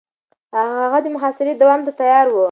هغه د محاصرې دوام ته تيار و.